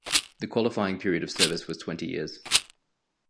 The qualifying period of service was twenty years.